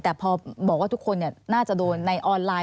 แต่พอบอกว่าทุกคนน่าจะโดนในออนไลน์